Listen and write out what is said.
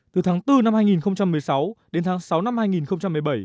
từ tháng bốn năm hai nghìn một mươi sáu đến tháng sáu năm hai nghìn một mươi bảy